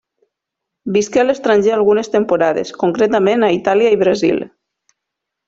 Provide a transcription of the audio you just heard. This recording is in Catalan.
Visqué a l'estranger algunes temporades, concretament a Itàlia i Brasil.